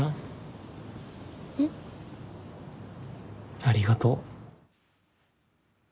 ありがとう。